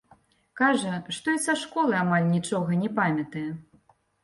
Кажа, што і са школы амаль нічога не памятае.